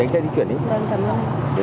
đánh xe di chuyển đi